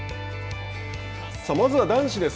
まずは男子です。